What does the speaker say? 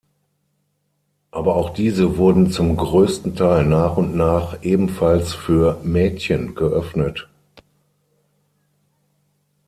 Aber auch diese wurden zum größten Teil nach und nach ebenfalls für Mädchen geöffnet.